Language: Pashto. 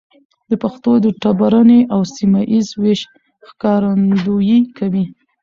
د پښتو د ټبرني او سيمه ييز ويش ښکارندويي کوي.